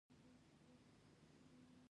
مېلمه ته له زړه سوي خندا ورکړه.